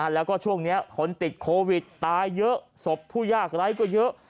แล้วก็ช่วงนี้คนติดโควิดตายเยอะศพผู้ยากไร้ก็เยอะ